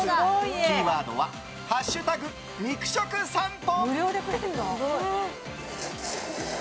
キーワードは「＃肉食さんぽ」。